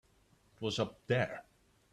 It was up there.